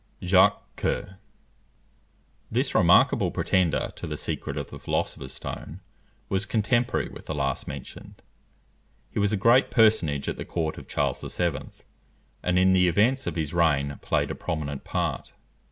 JACQUES COEUR. This remarkable pretender to the secret of the philosopher's stone was contemporary with the last mentioned. He was a great personage at the court of Charles VII., and in the events of his reign played a prominent part.